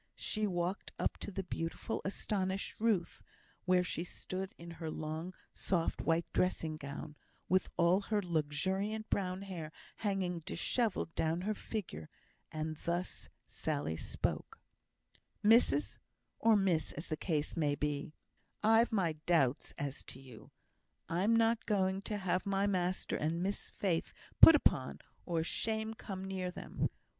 She walked up to the beautiful, astonished Ruth, where she stood in her long, soft, white dressing gown, with all her luxuriant brown hair hanging dishevelled down her figure, and thus Sally spoke: "Missus or miss, as the case may be I've my doubts as to you. I'm not going to have my master and Miss Faith put upon, or shame come near them.